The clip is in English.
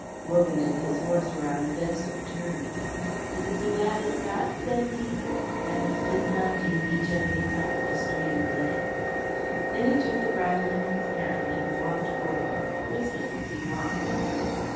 Wogan and his horse were on the best of terms. "Is it so bad as that?" said he, and dismounting he gently felt the strained leg. Then he took the bridle in his hand and walked forward, whistling as he walked.